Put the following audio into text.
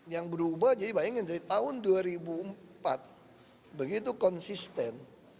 yang berubah jadi bayangin dari tahun dua ribu empat begitu konsisten